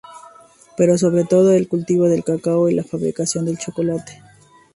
Pero sobre todo el cultivo del cacao y la fabricación del chocolate.